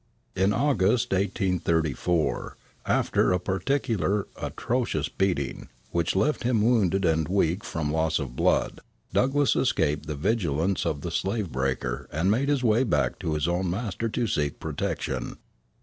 In August, 1834, after a particularly atrocious beating, which left him wounded and weak from loss of blood, Douglass escaped the vigilance of the slave breaker and made his way back to his own master to seek protection.